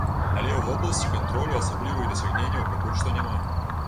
Але ў вобласці кантролю асаблівых дасягненняў пакуль што няма.